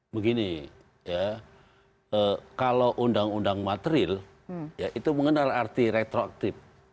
begini ya kalau undang undang materil ya itu mengenal arti retroktif